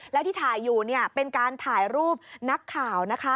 แล้วที่ถ่ายอยู่เป็นการถ่ายรูปนักข่าวนะคะ